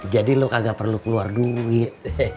jadi lo kagak perlu keluar duit